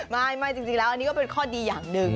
ไม่จริงแล้วอันนี้ก็เป็นข้อดีอย่างหนึ่ง